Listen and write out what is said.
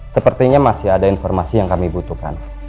sepertinya masih ada informasi yang kami butuhkan